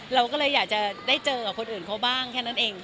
เราก็เลยอยากจะได้เจอกับคนอื่นเขาบ้างแค่นั้นเอง